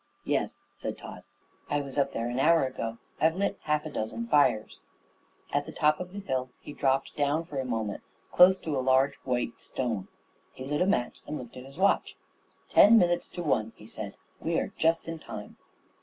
"Yes," said Tod. "I was up there an hour ago. I've lit half a dozen fires." At the top of the hill he dropped down for a moment close to a large white stone. He lit a match and looked at his watch. "Ten minutes to one," he said. "We're just in time."